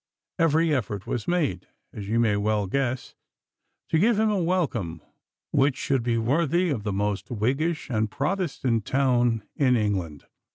Every effort was made, as ye may well guess, to give him a welcome which should be worthy of the most Whiggish and Protestant town in England.